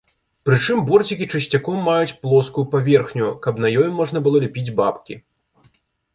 Прычым, борцікі часцяком маюць плоскую паверхню, каб на ёй можна было ляпіць бабкі.